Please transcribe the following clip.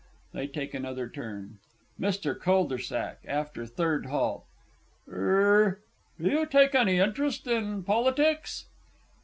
[They take another turn. MR. C. (after third halt). Er do you take any interest in politics?